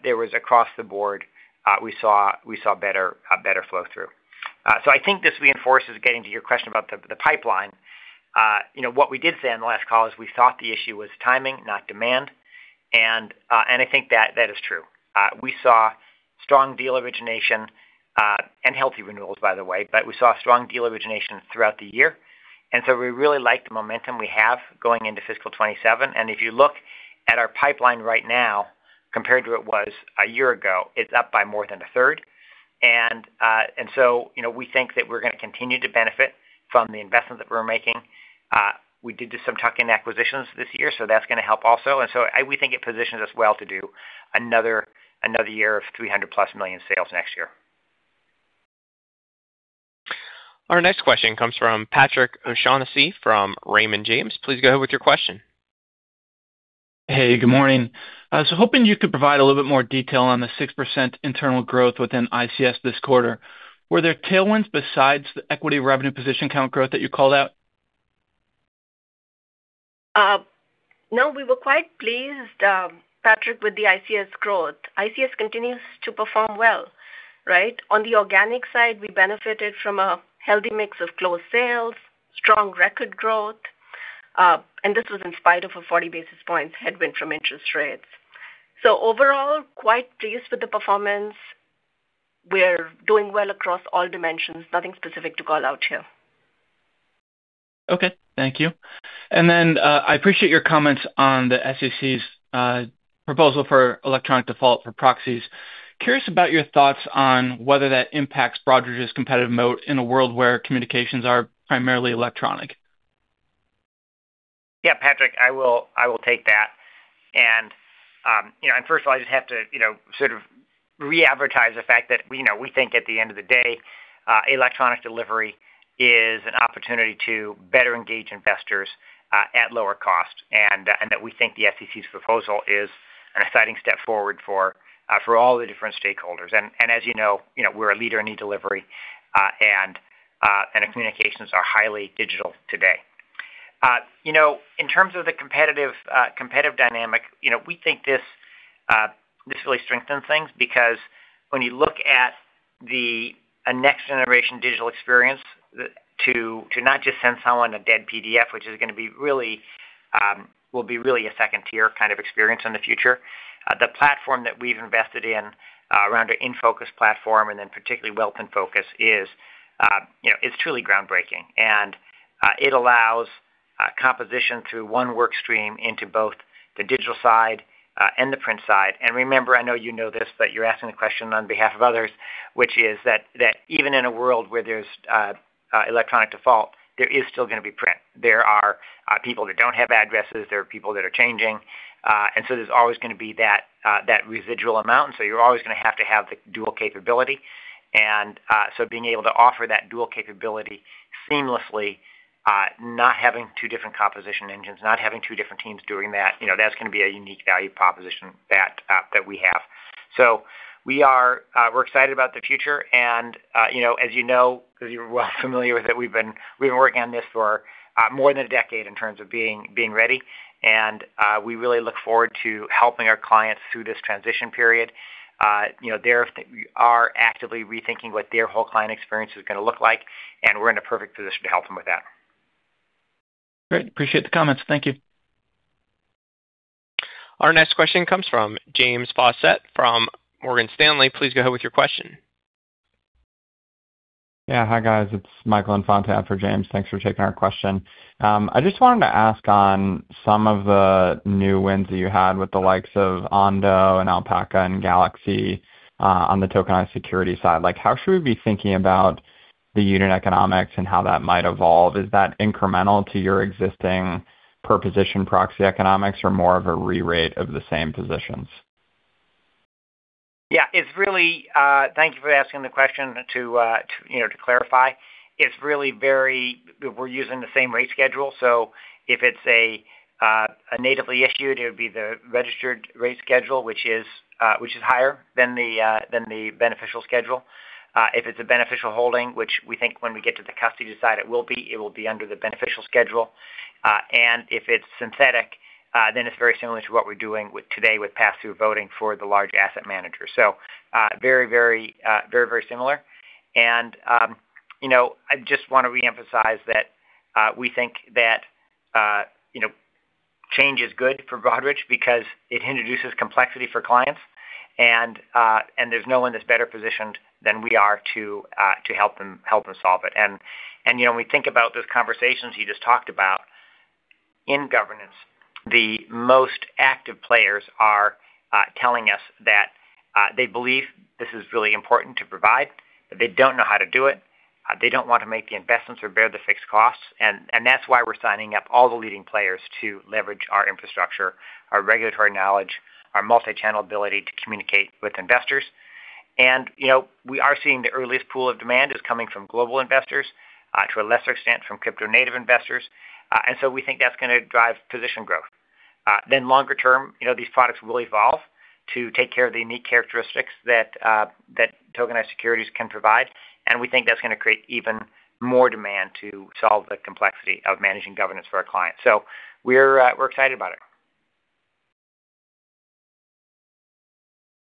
There was across the board we saw a better flow through. I think this reinforces getting to your question about the pipeline. What we did say on the last call is we thought the issue was timing, not demand, and I think that is true. We saw strong deal origination and healthy renewals, by the way, but we saw strong deal origination throughout the year. We really like the momentum we have going into fiscal 2027. If you look at our pipeline right now compared to it was a year ago, it's up by more than a third. We think that we're going to continue to benefit from the investment that we're making. We did do some tuck-in acquisitions this year, so that's going to help also. We think it positions us well to do another year of $300-plus million sales next year. Our next question comes from Patrick O'Shaughnessy from Raymond James. Please go ahead with your question. Hey, good morning. I was hoping you could provide a little bit more detail on the 6% internal growth within ICS this quarter. Were there tailwinds besides the equity revenue position count growth that you called out? We were quite pleased, Patrick, with the ICS growth. ICS continues to perform well. On the organic side, we benefited from a healthy mix of closed sales, strong record growth, and this was in spite of a 40 basis points headwind from interest rates. Overall, quite pleased with the performance. We're doing well across all dimensions. Nothing specific to call out here. Okay, thank you. I appreciate your comments on the SEC's proposal for electronic default for proxies. Curious about your thoughts on whether that impacts Broadridge's competitive moat in a world where communications are primarily electronic. Yeah, Patrick, I will take that. First of all, I just have to sort of re-advertise the fact that we think at the end of the day, electronic delivery is an opportunity to better engage investors at lower cost, and that we think the SEC's proposal is an exciting step forward for all the different stakeholders. As you know, we're a leader in e-delivery, and our communications are highly digital today. In terms of the competitive dynamic, we think this really strengthens things because when you look at the next generation digital experience to not just send someone a dead PDF, which will be really a second-tier kind of experience in the future. The platform that we've invested in around our InFocus platform and then particularly Wealth InFocus is truly groundbreaking, and it allows composition through one work stream into both the digital side and the print side. Remember, I know you know this, but you're asking the question on behalf of others, which is that even in a world where there's electronic default, there is still going to be print. There are people that don't have addresses, there are people that are changing, there's always going to be that residual amount. You're always going to have to have the dual capability. Being able to offer that dual capability seamlessly, not having two different composition engines, not having two different teams doing that's going to be a unique value proposition that we have. We're excited about the future, and as you know, because you're well familiar with it, we've been working on this for more than a decade in terms of being ready, and we really look forward to helping our clients through this transition period. They are actively rethinking what their whole client experience is going to look like, and we're in a perfect position to help them with that. Great. Appreciate the comments. Thank you. Our next question comes from James Faucette from Morgan Stanley. Please go ahead with your question. Yeah. Hi, guys. It's Michael Infante for James. Thanks for taking our question. I just wanted to ask on some of the new wins that you had with the likes of Ondo Finance and Alpaca and Galaxy Digital, on the tokenized security side. How should we be thinking about the unit economics and how that might evolve? Is that incremental to your existing per position proxy economics or more of a rerate of the same positions? Yeah. Thank you for asking the question to clarify. We're using the same rate schedule, so if it's a natively issued, it would be the registered rate schedule, which is higher than the beneficial schedule. If it's a beneficial holding, which we think when we get to the custody side, it will be under the beneficial schedule. If it's synthetic, then it's very similar to what we're doing today with Pass-Through Voting for the large asset manager. Very similar. I just want to reemphasize that we think that change is good for Broadridge because it introduces complexity for clients. There's no one that's better positioned than we are to help them solve it. When we think about those conversations you just talked about, in governance, the most active players are telling us that they believe this is really important to provide, but they don't know how to do it. They don't want to make the investments or bear the fixed costs. That's why we're signing up all the leading players to leverage our infrastructure, our regulatory knowledge, our multi-channel ability to communicate with investors. We are seeing the earliest pool of demand is coming from global investors, to a lesser extent, from crypto native investors. So we think that's going to drive position growth. Longer term, these products will evolve to take care of the unique characteristics that tokenized securities can provide. We think that's going to create even more demand to solve the complexity of managing governance for our clients. So we're excited about it.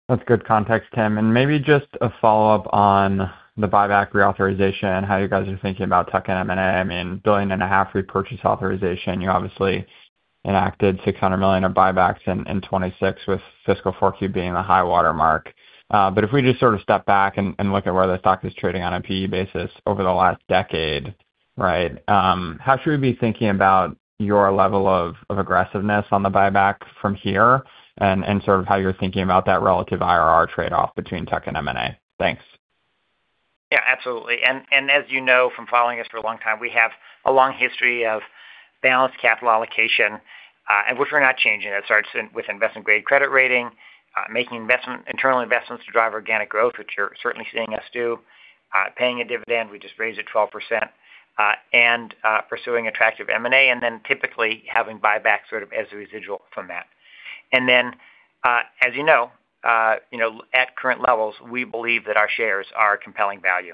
That's good context, Tim. Maybe just a follow-up on the buyback reauthorization, how you guys are thinking about tuck-in M&A. I mean, $1.5 billion repurchase authorization. You obviously enacted $600 million of buybacks in 2026, with fiscal Q4 being the high watermark. But if we just sort of step back and look at where the stock is trading on a P/E basis over the last decade, right? How should we be thinking about your level of aggressiveness on the buyback from here and sort of how you're thinking about that relative IRR trade-off between tuck-in M&A? Thanks. Yeah, absolutely. As you know from following us for a long time, we have a long history of balanced capital allocation, and which we're not changing. That starts with investment-grade credit rating, making internal investments to drive organic growth, which you're certainly seeing us do, paying a dividend, we just raised it 12%, pursuing attractive M&A, typically having buyback sort of as a residual from that. As you know, at current levels, we believe that our shares are a compelling value.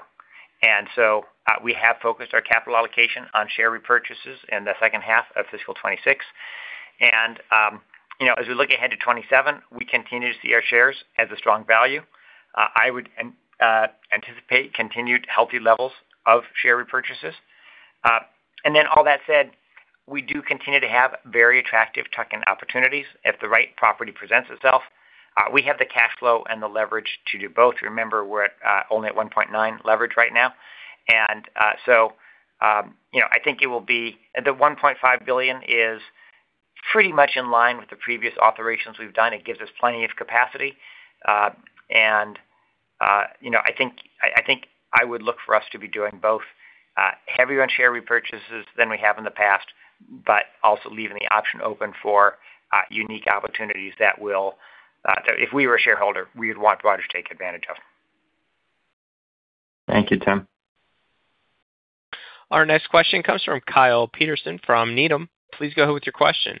So we have focused our capital allocation on share repurchases in the second half of fiscal 2026. As we look ahead to 2027, we continue to see our shares as a strong value. I would anticipate continued healthy levels of share repurchases. All that said, we do continue to have very attractive tuck-in opportunities. If the right property presents itself, we have the cash flow and the leverage to do both. Remember, we're only at 1.9 leverage right now. The $1.5 billion is pretty much in line with the previous authorizations we've done. It gives us plenty of capacity. I think I would look for us to be doing both heavier on share repurchases than we have in the past, but also leaving the option open for unique opportunities that if we were a shareholder, we would want Broadridge to take advantage of. Thank you, Tim. Our next question comes from Kyle Peterson from Needham. Please go ahead with your question.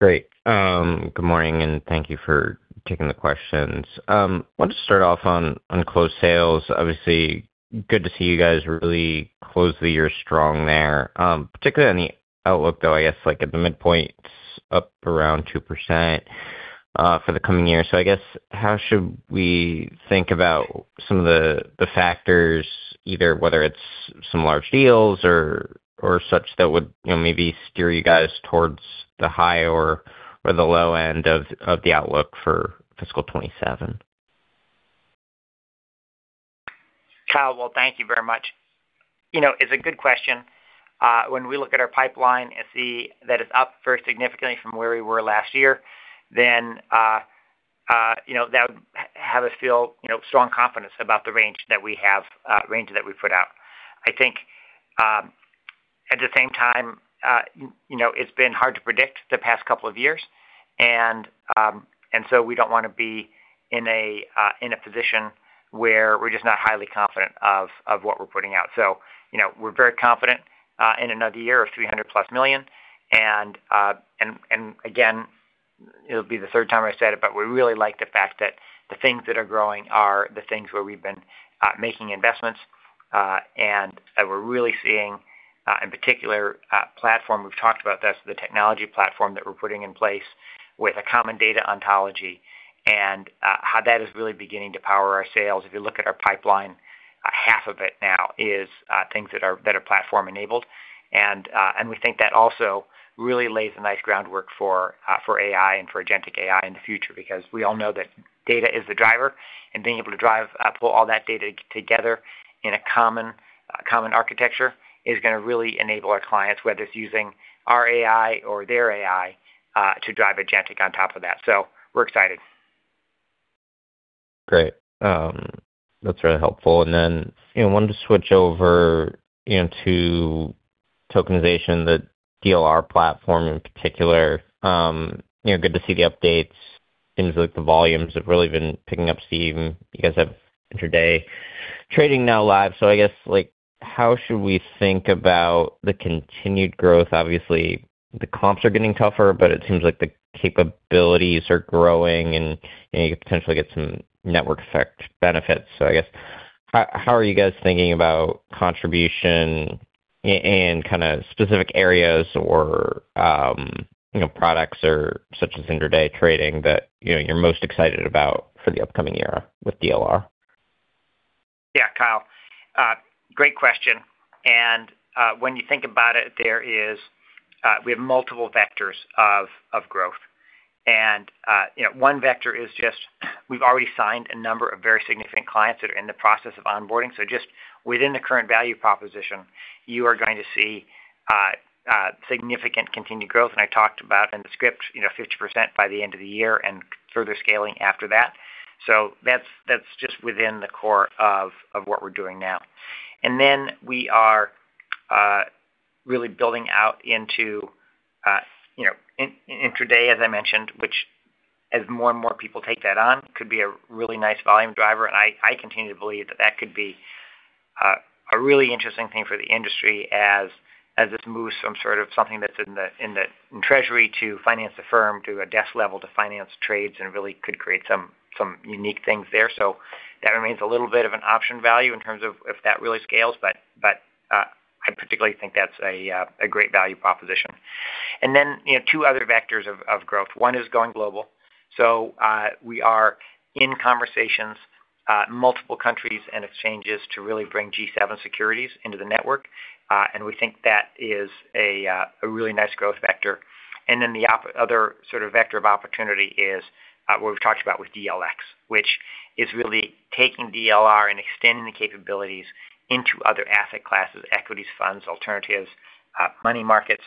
Great. Good morning, and thank you for taking the questions. Wanted to start off on closed sales. Obviously, good to see you guys really close the year strong there. Particularly on the outlook, though, I guess like at the midpoint, it's up around 2% for the coming year. How should we think about some of the factors, either whether it's some large deals or such that would maybe steer you guys towards the high or the low end of the outlook for fiscal 2027? Kyle. Well, thank you very much. It's a good question. When we look at our pipeline and see that it's up very significantly from where we were last year, that would have us feel strong confidence about the range that we put out. I think, at the same time, it's been hard to predict the past couple of years. We don't want to be in a position where we're just not highly confident of what we're putting out. We're very confident in another year of $300+ million. Again, it'll be the third time I've said it, but we really like the fact that the things that are growing are the things where we've been making investments, and that we're really seeing, in particular platform we've talked about, that's the technology platform that we're putting in place with a common data ontology and how that is really beginning to power our sales. If you look at our pipeline Half of it now is things that are platform enabled. We think that also really lays a nice groundwork for AI and for agentic AI in the future, because we all know that data is the driver, and being able to pull all that data together in a common architecture is going to really enable our clients, whether it's using our AI or their AI, to drive agentic on top of that. We're excited. Great. That's really helpful. Wanted to switch over into tokenization, the DLR platform in particular. Good to see the updates. Things like the volumes have really been picking up steam. You guys have intraday trading now live. How should we think about the continued growth? Obviously, the comps are getting tougher, but it seems like the capabilities are growing, and you could potentially get some network effect benefits. How are you guys thinking about contribution in kind of specific areas or products or such as intraday trading that you're most excited about for the upcoming year with DLR? Yeah, Kyle. Great question. When you think about it, we have multiple vectors of growth. One vector is just we've already signed a number of very significant clients that are in the process of onboarding. Just within the current value proposition, you are going to see significant continued growth. I talked about in the script, 50% by the end of the year and further scaling after that. That's just within the core of what we're doing now. We are really building out into intraday, as I mentioned, which as more and more people take that on, could be a really nice volume driver. I continue to believe that that could be a really interesting thing for the industry as this moves from sort of something that's in treasury to finance the firm to a desk level to finance trades, and really could create some unique things there. That remains a little bit of an option value in terms of if that really scales. I particularly think that's a great value proposition. Two other vectors of growth. One is going global. We are in conversations, multiple countries and exchanges to really bring G7 Securities into the network. We think that is a really nice growth vector. The other sort of vector of opportunity is what we've talked about with DLX, which is really taking DLR and extending the capabilities into other asset classes, equities, funds, alternatives, money markets,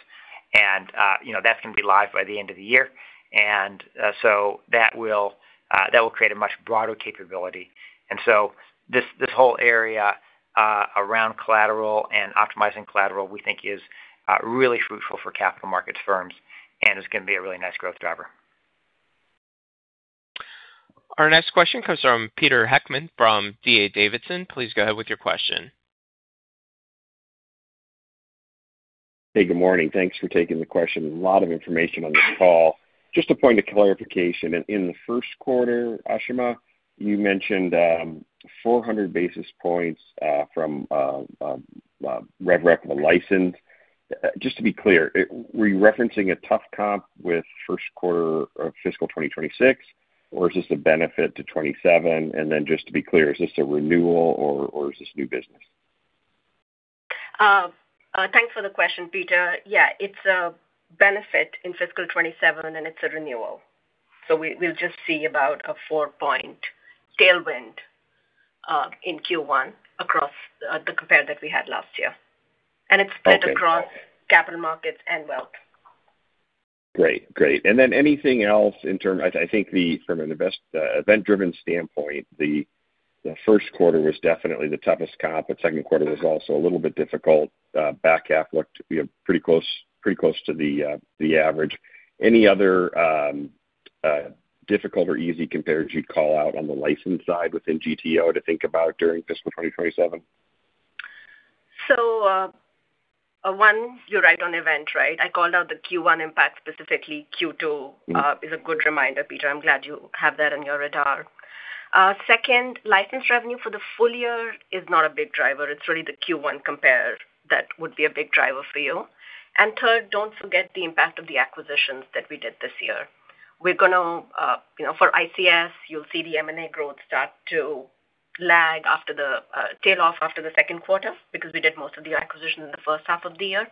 that's going to be live by the end of the year. That will create a much broader capability. This whole area around collateral and optimizing collateral, we think is really fruitful for capital markets firms and is going to be a really nice growth driver. Our next question comes from Peter Heckmann from D.A. Davidson. Please go ahead with your question. Hey, good morning. Thanks for taking the question. A lot of information on this call. Just a point of clarification. In the first quarter, Ashima, you mentioned 400 basis points from rev rec of a license. Just to be clear, were you referencing a tough comp with first quarter of fiscal 2026 or is this a benefit to 2027? Just to be clear, is this a renewal or is this new business? Thanks for the question, Peter. Yeah, it's a benefit in fiscal 2027, and it's a renewal. So we'll just see about a four-point tailwind in Q1 across the compare that we had last year. It's split across capital markets and wealth. Great. Anything else I think from an event-driven standpoint, the first quarter was definitely the toughest comp, but second quarter was also a little bit difficult. Back half looked to be pretty close to the average. Any other difficult or easy compares you'd call out on the license side within GTO to think about during fiscal 2027? One, you're right on event, right? I called out the Q1 impact, specifically Q2 is a good reminder, Peter. I'm glad you have that on your radar. Second, license revenue for the full year is not a big driver. It's really the Q1 compare that would be a big driver for you. Third, don't forget the impact of the acquisitions that we did this year. For ICS, you'll see the M&A growth start to lag after the tail off after the second quarter because we did most of the acquisition in the first half of the year.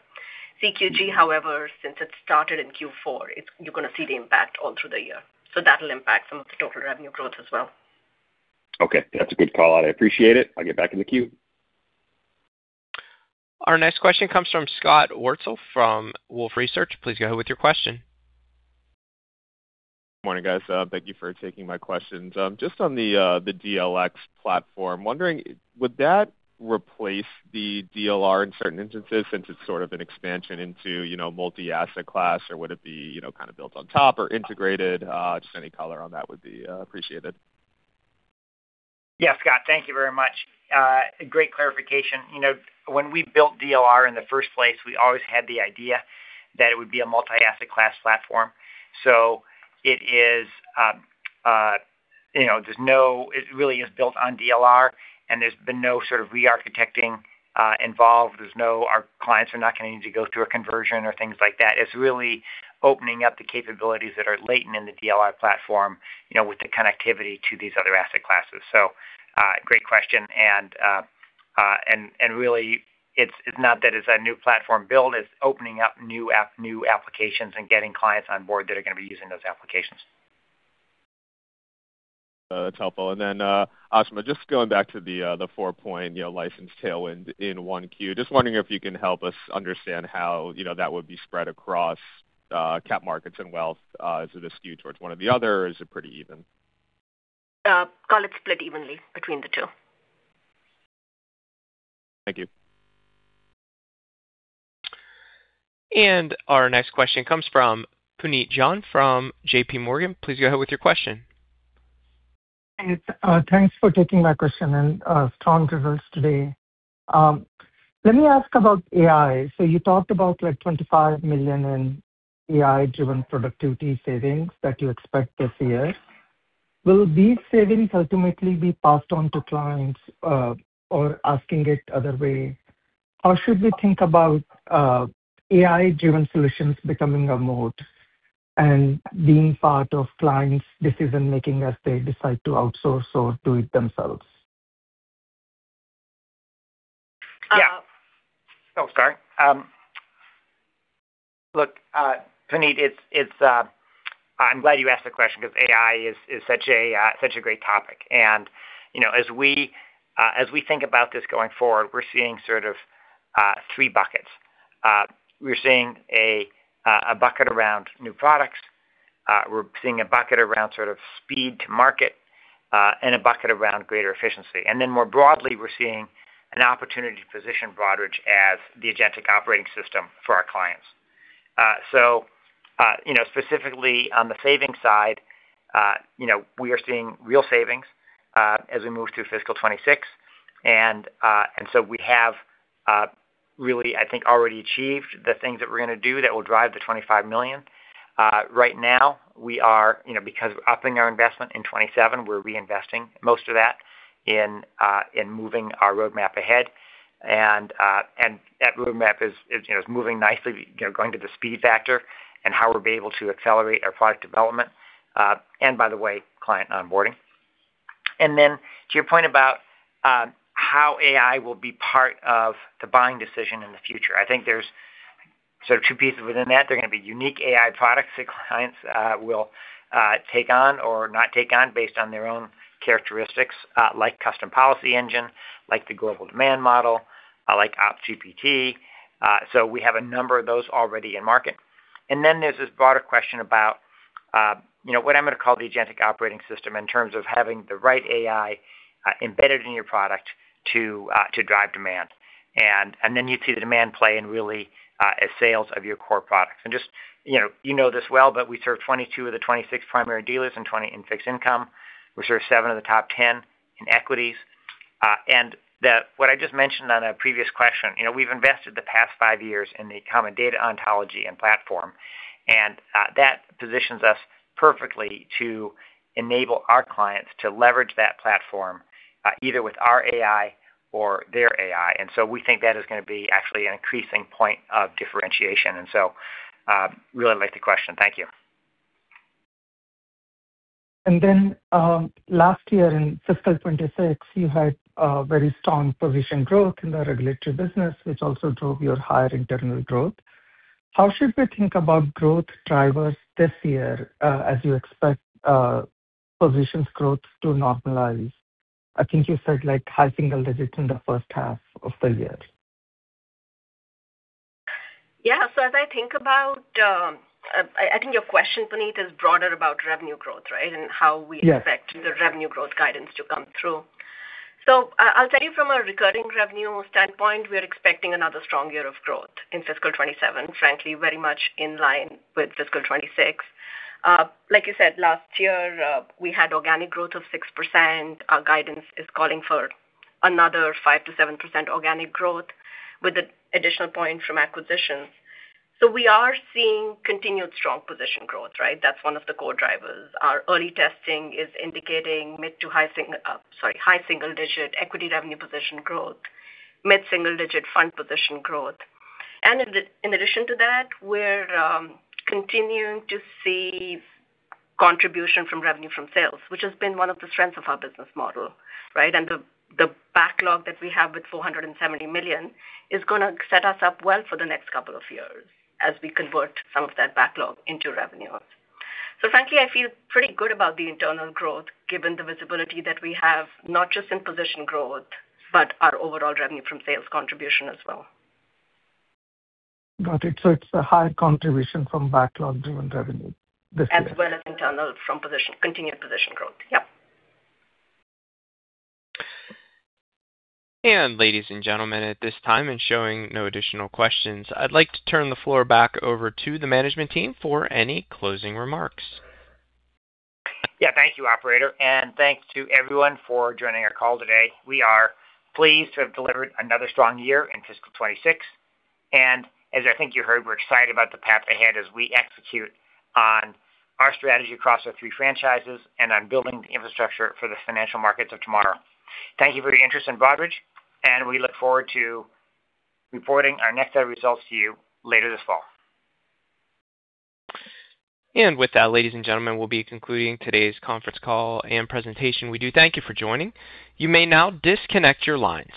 CQG, however, since it started in Q4, you're going to see the impact all through the year. That'll impact some of the total revenue growth as well. Okay. That's a good call out. I appreciate it. I'll get back in the queue. Our next question comes from Scott Wurtzel from Wolfe Research. Please go ahead with your question. Morning, guys. Thank you for taking my questions. Just on the DLX platform, wondering, would that replace the DLR in certain instances since it's sort of an expansion into multi-asset class, or would it be kind of built on top or integrated? Just any color on that would be appreciated. Scott, thank you very much. Great clarification. When we built DLR in the first place, we always had the idea that it would be a multi-asset class platform. It really is built on DLR, and there's been no sort of re-architecting involved. Our clients are not going to need to go through a conversion or things like that. It's really opening up the capabilities that are latent in the DLR platform with the connectivity to these other asset classes. Great question, and really, it's not that it's a new platform build, it's opening up new applications and getting clients on board that are going to be using those applications. That's helpful. Ashima, just going back to the 4-point license tailwind in 1Q. Just wondering if you can help us understand how that would be spread across cap markets and wealth. Is it skewed towards one or the other? Is it pretty even? Call it split evenly between the two. Thank you. Our next question comes from Puneet Jain from JPMorgan. Please go ahead with your question. Hey. Thanks for taking my question, strong results today. Let me ask about AI. You talked about $25 million in AI-driven productivity savings that you expect this year. Will these savings ultimately be passed on to clients? Asking it other way, how should we think about AI-driven solutions becoming a mode and being part of clients' decision-making as they decide to outsource or do it themselves? Yeah. Oh, sorry. Look, Puneet, I'm glad you asked the question because AI is such a great topic. As we think about this going forward, we're seeing sort of three buckets. We're seeing a bucket around new products. We're seeing a bucket around speed to market, a bucket around greater efficiency. More broadly, we're seeing an opportunity to position Broadridge as the agentic operating system for our clients. Specifically on the savings side, we are seeing real savings as we move through FY 2026. We have really, I think, already achieved the things that we're going to do that will drive the $25 million. Right now, because we're upping our investment in FY 2027, we're reinvesting most of that in moving our roadmap ahead. That roadmap is moving nicely, going to the speed factor, how we'll be able to accelerate our product development. Client onboarding. To your point about how AI will be part of the buying decision in the future, I think there's two pieces within that. They're going to be unique AI products that clients will take on or not take on based on their own characteristics, like custom policy engine, like the Global Demand Model, like OpsGPT. We have a number of those already in market. There's this broader question about what I'm going to call the agentic operating system in terms of having the right AI embedded in your product to drive demand. You'd see the demand play and really as sales of your core products. You know this well, we serve 22 of the 26 primary dealers and 20 in fixed income. We serve seven of the top 10 in equities. What I just mentioned on a previous question, we've invested the past five years in the common data ontology and platform, that positions us perfectly to enable our clients to leverage that platform, either with our AI or their AI. We think that is going to be actually an increasing point of differentiation. Really like the question. Thank you. Last year in FY 2026, you had a very strong position growth in the regulatory business, which also drove your higher internal growth. How should we think about growth drivers this year, as you expect positions growth to normalize? I think you said like high single-digits in the first half of the year. As I think about your question, Puneet, is broader about revenue growth, right? Yes. How we expect the revenue growth guidance to come through. I'll tell you from a recurring revenue standpoint, we're expecting another strong year of growth in FY 2027, frankly, very much in line with FY 2026. Like you said, last year, we had organic growth of 6%. Our guidance is calling for another 5%-7% organic growth with an additional point from acquisitions. We are seeing continued strong position growth, right? That's one of the core drivers. Our early testing is indicating mid-to-high single-digit equity revenue position growth, mid-single-digit fund position growth. In addition to that, we're continuing to see contribution from revenue from sales, which has been one of the strengths of our business model, right? The backlog that we have with $470 million is going to set us up well for the next couple of years as we convert some of that backlog into revenue. Frankly, I feel pretty good about the internal growth, given the visibility that we have, not just in position growth, but our overall revenue from sales contribution as well. Got it. It's a high contribution from backlog-driven revenue this year. As well as internal from continued position growth. Yep. Ladies and gentlemen, at this time and showing no additional questions, I'd like to turn the floor back over to the management team for any closing remarks. Yeah. Thank you, operator, and thanks to everyone for joining our call today. We are pleased to have delivered another strong year in fiscal 2026. As I think you heard, we're excited about the path ahead as we execute on our strategy across our three franchises and on building the infrastructure for the financial markets of tomorrow. Thank you for your interest in Broadridge, and we look forward to reporting our next set of results to you later this fall. With that, ladies and gentlemen, we'll be concluding today's conference call and presentation. We do thank you for joining. You may now disconnect your lines.